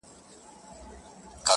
مه کوه گمان د ليوني گلي .